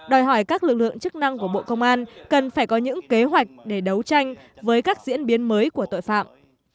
đòi hỏi các lực lượng chức năng của bộ công an cần phải có những kế hoạch để đấu tranh với các diễn biến mới của tội phạm